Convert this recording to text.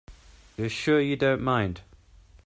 You're sure you don't mind?